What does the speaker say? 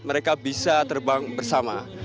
mereka bisa terbang bersama